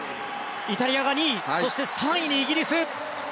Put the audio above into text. イタリアが２位３位にイギリス。